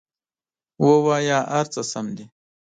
ووایه هر څه سم دي!